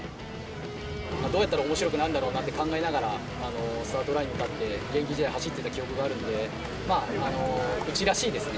どうやったらおもしろくなるんだろうなって、考えながらスタートラインに立って、現役時代走っていた記憶があるんで、まあ、うちらしいですね。